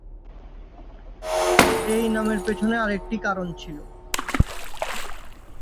এই নামের পেছনে আরেকটি কারণ ছিল।